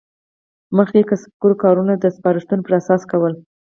مخکې کسبګرو کارونه د سپارښتونو پر اساس کول.